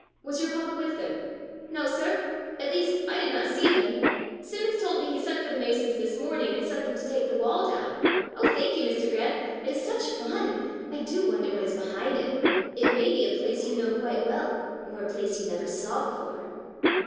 Was your papa with them?" "No, sir at least, I did not see him. Simmons told me he sent for the masons this morning, and set them to take the wall down. Oh, thank you, Mr. Grant! It is such fun! I do wonder what is behind it! It may be a place you know quite well, or a place you never saw before!"